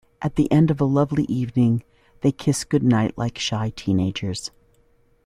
At the end of a lovely evening, they kiss goodnight like shy teenagers.